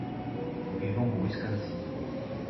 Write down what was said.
Nous vivont au Wisconsin.